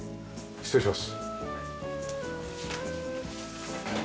失礼します。